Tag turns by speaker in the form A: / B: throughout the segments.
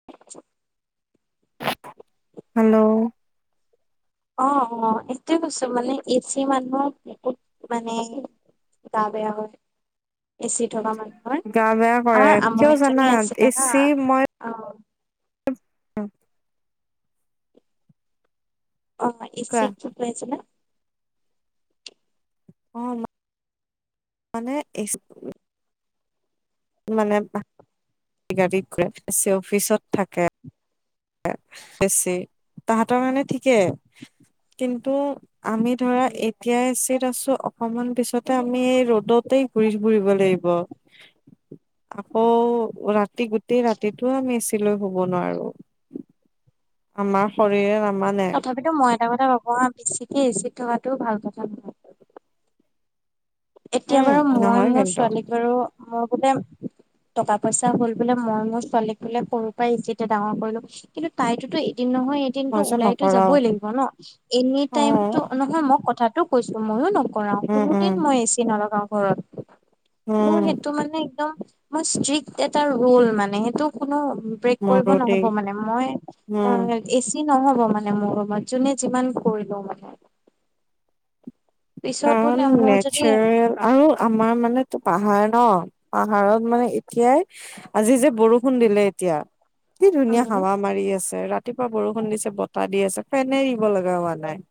A: [unintelligible]
B: Hello
A: অ অ এইটোয়ে কৈছো মানে এচিয়ে মানুহক বহুত মানে গা বেয়া হয়। এচি থকা মানুহৰ
B: গা বেয়া
A: আও
B: কৰে
A: আমাৰ
B: কিয়
A: আমৈ
B: জানা
A: এজনী আছিলে হা,
B: এচি মই
A: অ
B: [inaudible]
A: অ
B: কোৱা
A: এচি কি কৈ আছিলা?
B: অ মা মানে এচ মানে গাড়ীত ঘূৰে চে অফিচত থাকে। বেছি, তাহতৰ মানে ঠিকে। কিন্তু আমি ধৰা এতিয়া এ চিত আছো অকমান পিছত তে আমি ৰ'দতেই ঘূৰি ফুৰিব লাগিব, আকৌ ৰা তি গোটেই ৰাতিটো আমি এচ লৈ শুব নোৱাৰো। আমাৰ শৰীৰে নামানে।
A: গতিকে মই এটা কথা ভাবোঁ হা বেচিকে এ চি ত থকাটো ভাল কথা নহয়। এতিয়া
B: উম
A: বাৰু মই
B: নহয়
A: মোৰ
B: কিন্তু
A: ছোৱালীক বাৰু মই বোলে টকা পইচা হল বোলে মই মোৰ ছোৱালীক বোলে সৰুৰ পৰাই এ চি তে ডাঙৰ কৰিলো। কিন্তু তাইতোত এদিন নহয় এ কিন্তু
B: মই যে
A: ওলাইতো
B: নকৰাও
A: যাবই লাগিব ন, এনি
B: অ
A: টাইমটো, নহয় মই কথাটো কৈছো ময়ো নক কৰাও
B: উম
A: কোনোদিন
B: উম
A: মই এ ছি নলগাও ঘৰত, মোৰ
B: উম
A: সেইটো মানে একদম মই ষ্ট্ৰিক্ট এটা ৰোল মানে সেইটো কোনো ব্ৰেক কৰিব
B: মোৰো দেই
A: নহ'ব মানে, মই
B: উম
A: [inaudible] এ চি নহ'ব মানে মোৰ ৰুমত, যোনে যিমান কৰিলেও মানে। পিছত
B: কাৰণ
A: বোলে মোৰ যদি
B: নেচেৰেল আৰু আমাৰ মানেটো পাহাৰ ন পাহাৰত মানে এতিয়াই আজি যে বৰষুণ দিলে এতিয়া কি ধুনীয়া
A: উম
B: হাৱা মাৰি আছে, ৰাতিপুৱা বৰষুণ দিছে বতাহ দি আছে ফেনে এৰিব লগা হোৱা নাই।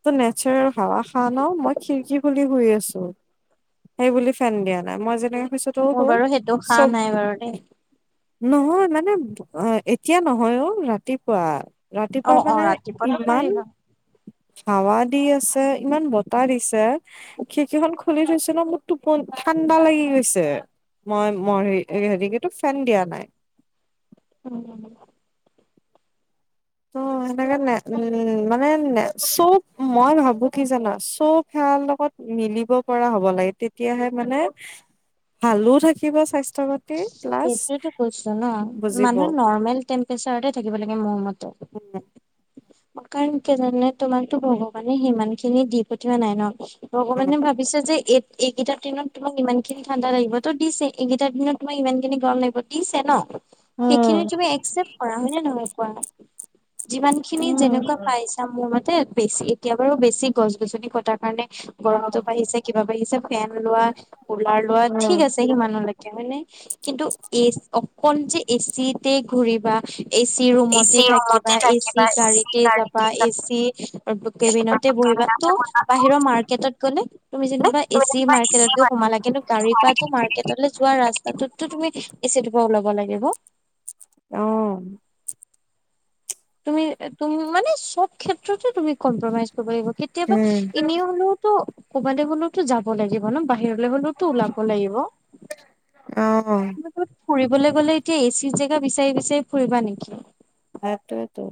B: ইটো নেচেৰেল হাৱা। হয় ন মই খিৰিকী খুলি শুই আছো, সেই বুলি ফেন দিয়া নাই, মই যেনে
A: মোৰ বাৰু সেইটো খা নাই বাৰু দেই।
B: নহয় মানে এতিয়া নহয় অ ৰাতিপুৱা।
A: অ
B: ৰাতিপুৱা
A: অ
B: মানে
A: ৰাতিপুৱাতো
B: ইমান
A: পাৰিব
B: হাৱা দি আছে। ইমান বতাহ দিছে খিৰকিখন খুলি থৈছোঁ ন মোৰ টোপন ঠাণ্ডা লাগি গৈছে। মই মোৰ হে হেৰিকে সেইটো ফেন দিয়া নাই।
A: [unintelligible]
B: [unintelligible] মিলিব পৰা হ'ব লাগে, তেতিয়াহে মানে ভালো থাকিব স্বাস্থ্য প্লাছ
A: সেইটোৱেটো কৈছো ন,
B: বুজিব
A: মানুহে নৰ্মেল টেম্পচাৰতে থাকিব লাগে, মোৰ মতে।
B: [inaudible]
A: কাৰণ কি জানা নে, তোমাকতো ভগৱানে সিমান খিনি দি পঠিওৱা নাই ন, ভগৱানে ভাব বিছে যে, এই এইকেইটা দিনত তোমাক ইমানখিনি ঠাণ্ডা লাগিব, তো দিছে। এইকেইটা দিনত তোমাৰ ইমান খিনি গৰম লাগিব দিছে ন। সেইখিনি
B: উম
A: তুমি একচেপ্ত কৰা, হয় নে নহয় কোৱা? যিমান খিনি
B: উম
A: যেনেকুৱা পাইছ ছা মোৰ মতে, বেছি এতিয়া বাৰু, বেছি গছ-গছনি কটাৰ কাৰণে গৰমটো বাঢ়িছে কিবা বাঢ়িছে, ফেন লোৱা, কুলাৰ লোৱা, ঠিক আছে সিমানলৈকে হয় নে, কিন্তু এচ অকল যে এ চিতে ঘূৰিবা এ চি ৰুমতে
B: এচি
A: থাকিবা,
B: ৰুমতে
A: এ চি
B: থাকিবা এচি
A: গাড়ীতে যাবা, এ চি কেবিনতে বহিবা, তো বাহিৰৰ মাৰ্কেটত গ'লে। তুমি যেনিবা এ চি মাৰ্কেটত গৈ সোমালা, কিন্তু গাড়ীৰ পৰা মাৰ্কটলৈ যোৱা ৰাস্তা তাটোত তো তুমি এ চিটোৰ পৰা ওলাব লাগিব।
B: অ।
A: তুমি, তুমি মানে চব ক্ষেত্ৰতে তুমি কম্প্ৰমাইজ কৰিব লাগিব, কেতিয়াবা
B: উম,
A: এনেই হ'লেও ত, ক'বালৈ হ'লেওতো যাব লাগিব ন, বাহিৰলৈ হ'লেওতো ওলাব লাগিব।
B: অ।
A: ত', ফুৰিবলৈ গ'লে এতিয়া এ চি জেগা বিচাৰি-বিচাৰি ফুৰিবা নেকি?
B: সেইটোৱেতো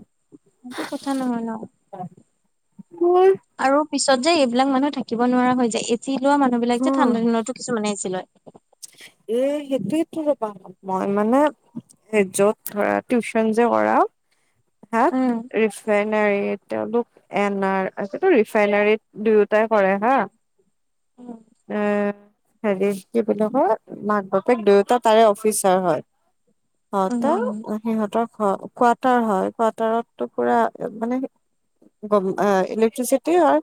A: সেইটো কথা নহয় ন।
B: [unintelligible]
A: আৰু পিছত যে এইবিলাক মানুহ থাকিব নোৱাৰা হৈ যায়, এ চি লোৱা মানুহ বিলাক
B: হা
A: যে ঠাণ্ডা দিনতো কিছুমানে এ চি লয়।
B: এ, সেইটোৱেটো [unintelligible] মই মানে য'ত ধৰা, টিউচন যে কৰাও তাত
A: উম
B: ৰিফাইনাৰী তেওঁলোক এন আৰ, ৰিফাইনাৰীত দুয়োটাই কৰে হা। এ হেৰি, কি বুলি কয়, মাক-বাপেক দুয়োতা তাৰে অফিচাৰ হয়। [unintelligible] অ, সিহঁতৰ কোৱাটাৰ হয়, কোৱাৰ্টাৰটো পুৰা মানে গম, ইলেক্ট্ৰিচিটি হয়,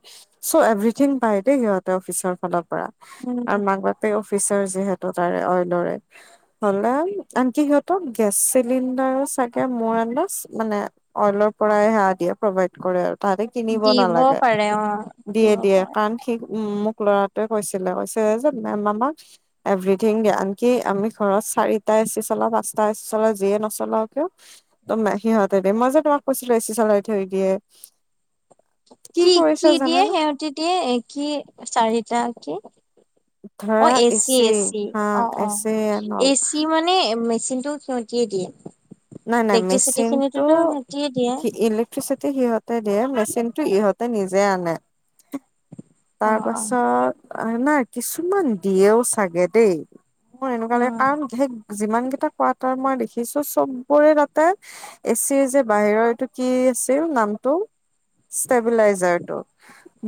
B: চ' এভাৰিঠিং পায় দেই সিহঁতে অফিচৰ ফালৰ পৰা।
A: উম
B: আৰু মাক-বাপেক অফিচৰ, যিহেতু তাৰে অইলৰে। [unintelligible] আনকি সিহঁতক গেছ চিলিণ্ডাৰ চাগে মোৰ আন ডাছ মানে অইলৰ পৰাই সেৱা দিয়ে, প্ৰভাইড কৰে আৰু। তাতে কিনিব
A: দিব
B: নালাগে,
A: পাৰে অ
B: দিয়ে,
A: দিব
B: দিয়ে
A: পাৰে
B: কাৰণ সি মোক ল'ৰাটোৱে কৈছিলে, কৈছে যে মেম আমাক এভ্ৰীথিং দিয়ে, আনকি আমি ঘৰত চাৰিটা এচি চলাওঁ, পাঁচটা এ চি চলাওঁ, যিয়ে নচলাও কিয় [unintelligible] মই যে তোমাক কৈছিলো, এচি চলাই থৈ দিয়ে।
A: কি
B: কৰিছে
A: কি দিয়ে,
B: জানানে
A: সেহতি দিয়ে, কি চাৰিটা, কি? অ,
B: ধৰা
A: এচি, এচি,
B: হা
A: অ, অ,
B: এচি নল
A: এচি মানে মানে মেচিনটো সিহতিয়ে দিয়ে।
B: নাই, নাই,
A: ইলেক্ট্ৰিচিটি
B: মেচিনটো
A: খিনিতোতো সিহঁতিয়ে দিয়ে।
B: ইলেক্ট্ৰিচিটি সিহঁতে দিয়ে, মেচিনটো ইহঁতে নিজেই আনে।
A: অ',
B: তাৰপাছত নাই কিছুমান দিয়েও চাগে দেই। মই এনেকুৱা লাগে
A: অ',
B: কাৰণ সেই যিমান কেইটা কুৱাটাৰ মই দেখিছো চব, পৰে তাতে এচি যে বাহিৰৰ এইটো কি আছিল নামটো? ষ্টেব্লাইজাৰটো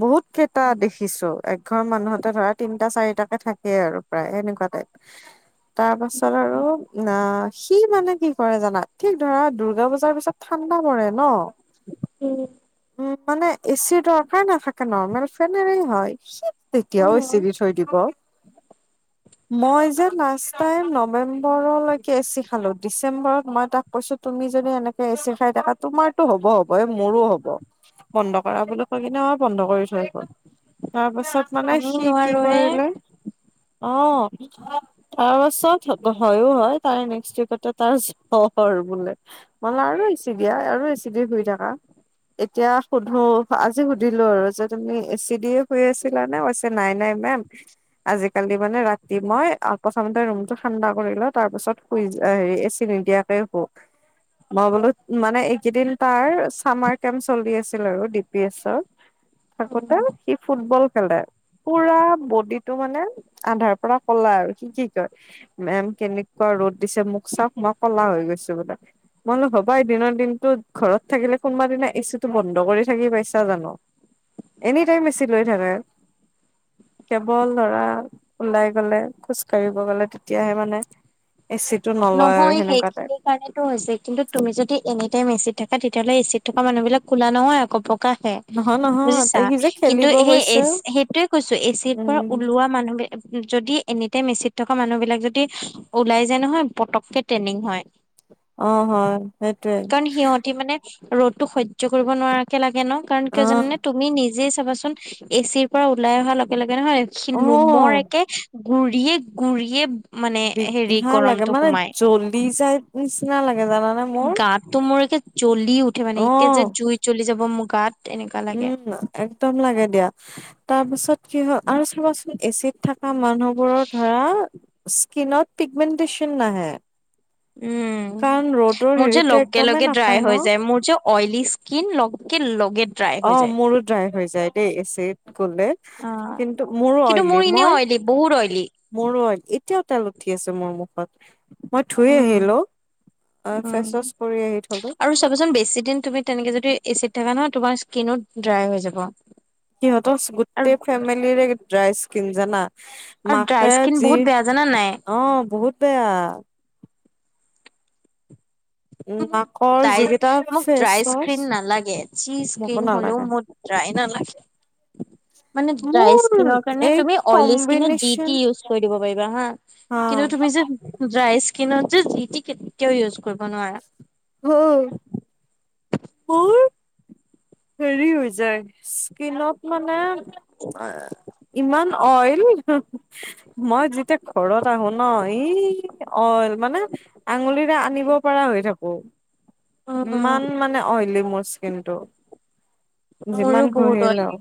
B: বহুত কেইটা দেখিছো একঘৰ মানুহতে ধৰা তিনটা চাৰিটাকে থাকেই আৰু প্ৰায় সেনেকুৱা টাইপ।
A: [inaudible]
B: তাৰ পাছত আৰু না সি মানে কি কৰে জানা, ঠিক ধৰা দুূৰ্গা পূজাৰ পিছত ঠাণ্ডা পৰে ন।
A: [unintelligible]
B: উম, মানে এচিৰ দৰকাৰ নাথাকে ন, নৰ্মেল ফেনেৰে হয়। সি তেতিয়াও
A: উম,
B: এচি দি থৈ দিব। মই যে লাষ্ট টাইম নৱেম্বৰলৈকে এচি খালো। ডিচ চেম্বৰত মই তাক কৈছো তুমি যদি এনেকে এচি খাই থাকা তোমাৰটো হ'ব হ'ব এই মোৰো হ'ব। বন্ধ কৰা বুলি কৈ কিনে আও বন্ধ কৰি থৈ গল। তাৰ পাছিত মানে
A: আমি
B: সি কি
A: নোৱাৰো হে
B: কৰিলে, অ তাৰ পাছত হয়ো হয় তাৰে নেক্স উইকটত, তাৰ জ্বৰ বোলে, মানে আৰু এচি দিয়া আৰু এচি দি শুই থাকা! এতিয়া সুধো আজি সুধিলো আৰু যে তুমি এচি দিয়ে শুই আছিলা নে? নাই নাই মেম, আজিকালি মানে ৰাতি মই প্ৰথমতে ৰুমটো ঠানণ্ডা কৰি লওঁ তাৰ পিছত শুই যা অ হেৰি এচি চি নিদিয়াকে শুও মই বোলো মানে এইকেইদিন তাৰ চামাৰ কেম্প চলি আছিল আৰু ডি পি এছৰ। থাকোতে
A: উম,
B: সি ফুটবল খেলে। পুৰা বডিটো মানে আন্ধাৰ পৰা কলা আৰু। কি কি কয়! মেম কেনেকুৱা ৰ'দ দিছে মোক চাওক মই কলা হৈ গৈছো বোলে। মই বোলো হ'বাই, দিনৰ দিনতো ঘৰত থাকিলে কোনোবা দিনা এচিটো বন্ধ কৰি থাকি পাইছা জানো? এনি টাইম এচি লৈ থাকে! কেৱল ধৰা ওলাই গলে খোজকাঢ়িব গলে তেতিয়াহে মানে, এচি টো নলয় আৰু সেনেকুৱা টাইপ।
A: তাকেটো হৈছে, কিন্তু তুমি যদি এনি টাইম এচিত থাকা তেতিয়াহ'লে এচিত থকা মানুহ বিলাক কুলা নহয় আকৌ বগ গা হে।
B: নহয় নহয়
A: বুজিছা
B: তাই সি যে
A: কিন্তু
B: খেলিব
A: সেই
B: গৈছে
A: এচ সেইটোৱে কৈছো এচিৰ পৰা
B: উম
A: ওলোৱা মানুহ বি যদি এনিটাইম এচিত থকা মানুহ বিলাক যদি ওলাই যায় নহয় পতকে ট্ৰেইনিং হয়।
B: অ হয়। সেইটোৱে
A: কাৰণ সিহঁতি মানে ৰ'দতো সৰ্য্য কৰিব নোৱাৰাকে লাগে ন। কাৰণ কিয় জানানে তুমি নিজেই চাবাচোন এচিৰ পৰা ওলাই অহা লগে লগে নহয়, সি
B: অ অ
A: নোমৰ একে গুৰিয়ে গুৰিয়ে মানে হেৰি
B: বিগহা লাগে,
A: গৰমটো
B: মানে
A: সোমাই
B: জ্বলি যাই নিচিনা লাগে জানানে! মোৰ
A: গাতটো মোৰ একে জ্বলি উঠে মানে, এতিয়া
B: অ',
A: যে জুই জ্বলি যাব মোৰ গাত! এনেকুৱা লাগে
B: উম একদম লাগে দিয়া তাৰপাছত কি হয় আৰু চাবাচোন এ চিত থাকা মানুহবোৰৰ ধৰা স্কিনত পিগমেণ্টেচন নাহে।
A: উম,
B: কাৰণ ৰ'দৰ
A: মোৰ যে
B: হেৰিটো
A: লগে
B: একদমেই
A: লগে ড্ৰাই
B: নাপায় ন
A: হৈ যায় মোৰ যে অইলি স্কিন [unintelligible]
B: অহ
A: যায়
B: মোৰো ড্ৰাই হৈ যায় দেই এচিত গ'লে।
A: অ
B: কিন্তু মোৰো
A: কিন্তু মোৰ
B: অইলী
A: এনেই
B: মই
A: অইলি বহুত অইলি
B: মোৰো হয়, এতিয়াও তাল উঠি আছে মোৰ মুখত। মই ধুইয়ে
A: উম
B: আহিলো আ ফেচ
A: উম
B: ৱাচ কৰি আহি থলো।
A: আৰু চাবচোন বেছি দিন তুমি তেনেকে যদি এ চিত থাকা নহয় তোমাৰ স্কিনো ড্ৰাই হৈ যাব।
B: সিহঁতৰ
A: আৰু
B: গোটেই ফেমিলিৰে ড্ৰাই স্কিন জানা।
A: আৰু ড্ৰাই
B: মাকে
A: স্কিন
B: যি,
A: বহুত বেয়া জানা নাই
B: অঁ বহুত বেয়া। উম মাকৰ
A: ডাই
B: যিকেইটা
A: মোক
B: ফেচ
A: ড্ৰাইচ
B: ৱাচ
A: স্ক্ৰীণ নালাগে। চিজ-
B: মোকো
A: স্ক্ৰিন হ'লেও
B: নালাগে
A: মোৰ [unintelligible] মানে ডাই
B: মোৰ
A: স্কিনৰ কাৰণে
B: এই
A: তুমি অইলি স্কিনে জি
B: কম্বিনেচন
A: টি ইউজ কৰি দিব পাৰিবা হা।
B: হা
A: কিন্তু তুমি যে, ড্ৰাই স্কিনত যে, যি তি কেতিয়াও ইউজ কৰিব নোৱাৰা।
B: হুম মোৰ হেৰি হৈ যায়, স্কিনত মানে এ ইমান অইল উম, মই যেতিয়া ঘৰত আহো ন' ই অল মানে আঙুলিৰে আনিব পৰা হৈ থাকো।
A: উম
B: ইমান মানে অইলি মোৰ স্কিনটো,
A: মোৰো
B: যিমান
A: বহুত অইলী।
B: ঘঁহিলেও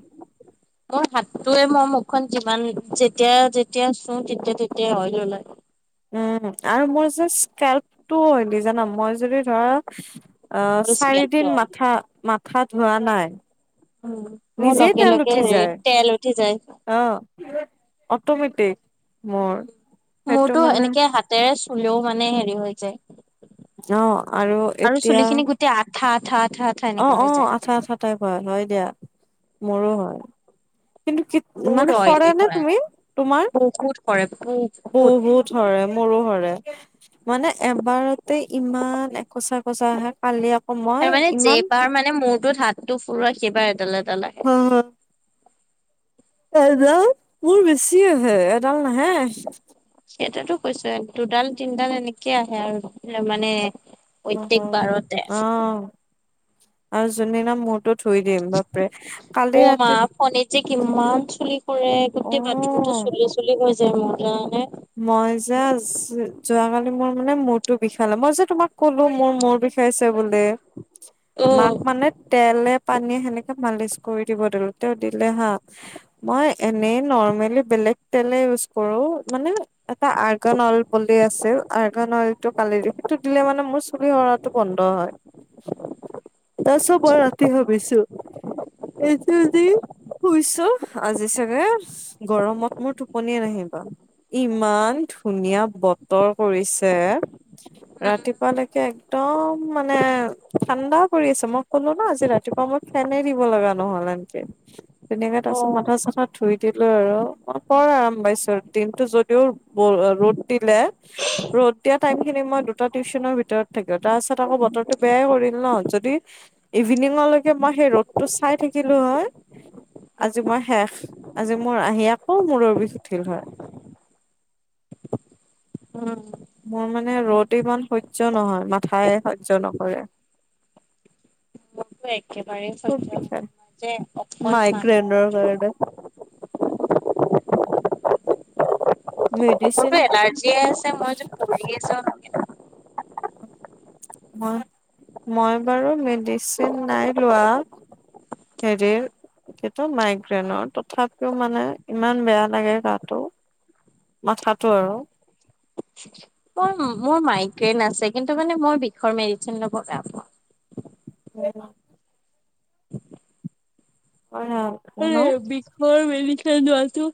A: মোৰ হাততোয়ে মই মুখখন যিমান যেতিয়া যেতিয়া চোওঁ তেতিয়া তেতিয়া অয়েল ওলায়।
B: উম। আৰু মোৰ জাষ্ট স্কেলপটো দি জানা। মই যদি ধৰা অহ
A: মোৰো স্কেলটো
B: চাৰিদিন
A: অইলী।
B: মাথা, মাথা ধোৱা নাই।
A: উম মোৰ
B: নিজেই
A: লগে
B: তেল
A: লগে
B: উঠি
A: হেৰি
B: যায়
A: তেল উঠি যায়।
B: অ, অটমেটিক মোৰ। সেইটো
A: মোৰতো
B: মানে
A: এনেকে হাতেৰে চুলেও মানে হেৰি হৈ যায়।
B: অহ আৰু এতিয়া
A: এতিয়া আঠা, আঠা, আঠা এনেকা
B: অঁ
A: হৈ
B: অঁ,
A: যায়।
B: আচ্ছা আচ্ছা টাই কৰা, হয় দিয়া মোৰো হয়। কিন্তু কি
A: বহুত
B: মানে সৰে
A: অইলি
B: নে
A: হয়,
B: তুমি তোমাৰ?
A: বহুত সৰে
B: বহুত সৰে। মোৰো হৰে মানে এবাৰতে ইমান একচা একচা আহে কালি। অ মই।
A: এই
B: ইমান
A: যেইবাৰ মানে মূৰটোত হাতটো ফুৰোৱা, সেইবাৰ এডাল এডাল আহে।
B: [unintelligible] এডাল, মোৰ বেছি আহে এডাল নাহে।
A: সেইটোতো কৈছে। দুডাল তিনডাল এনেকে আহে আৰু মানে, প্ৰত্যেক
B: নহয়
A: বাৰতে।
B: অ আৰু যোন দিনা মূৰটো ধুই দিম বাপৰে কালি
A: অ' মা
B: ৰাতি।
A: ফণীত যে কিমান চুলি সৰে,
B: অ
A: গোটেই বাথৰুমটো চুলি চুলি হৈ যায় মোৰ জানানে।
B: মই জাষ্ট যোৱাকালি মোৰ মানে মূৰতো বিষালে, মই যে তোমাক কলো মোৰ মূৰ বিষাই খাইছে বোলে, মাক
A: অ'
B: মানে তেলে, পানীয়ে সেনেকে মালিচ কৰি দিব দিলো তেওঁ দিলে হা। মই এনেই নৰ্মেলি বেলেগ তেলে ইউজ কৰো মানে। এটা আৰ্গান অইল বুলি আছিল। আৰ্গান অইলটো ফালি দি সেইটো দিলে মানে মোৰ চুলিসৰা বন্ধ হয়।
A: [unintelligible]
B: তাৰ পাছত
A: আচ্ছা
B: মই ৰাতি ভাবিছো, এই কেইদিন শুইছ? আজি চাগে গৰমত মোৰ টোপনিয়ে নাহিবা। ইমান ধুনীয়া বতৰ কৰিছে।
A: উম,
B: ৰাতিপুৱা লেকে একদম মানে ঠাণ্ডা কৰি আছে মই ক'লো ন' আজি ৰাতিপুৱা মই ফেনে দিব লগা নহল এনকে। তেনেকে তাৰপিছত মাথা
A: অ'
B: চাথা ধুই দিলো আৰু মই বৰ আৰাম পাইছো। দিনটো যদিও ৰ'দ দিলে ৰ'দ দিয়া টাইম খিনি মই দুটা টিউচনৰ ভিতৰত থাকিলো তাৰপাছত আকৌ বতৰটো বেয়াই কৰিল ন' যদি ইভিনিঙলৈকে মই সেই ৰ'দটো চাই থাকিলোঁ হয় আজি মই শেষ আজি মোৰ আহি আকৌ মূৰৰ বিষ উঠিল হয়।
A: উম,
B: মোৰ মানে ৰ'দ ইমান সহ্য নহয় মাথাই সহ্য নকৰে।
A: মো একেবাৰেই
B: খুব
A: সহ্য নহয় যে অকণমানো
B: ত' কৰণে মেডিচিন
A: মোৰতো এলাৰ্জিয় আছে মই যে পৰি আছোঁ।
B: মই বাৰু মেডিচিন নাই লোৱা। হেৰি এতিটো মাইগ্ৰেইনৰ তথাপিও মানে ইমান বেয়া লাগে গাটো। মাঠাতো আৰু।
A: মই মোৰ মাইগ্ৰেইন আছে কিন্তু মানে মই বিষৰ মেডচিন লব বেয়া পাওঁ।
B: [unintelligible] [unintelligible]
A: বিষৰ মেলিছে দোৱাটো